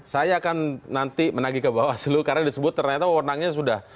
saya akan nanti menagih ke bawas slu karena disebut ternyata pewarnaannya benar